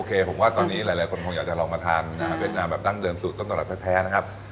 ผมว่าตอนนี้หลายคนคงอยากจะลองมาทานอาหารเวียดนามแบบดั้งเดิมสูตรต้นตำรับแท้นะครับ